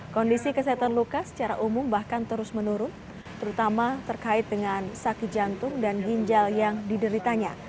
kondisi kesehatan lukas secara umum bahkan terus menurun terutama terkait dengan sakit jantung dan ginjal yang dideritanya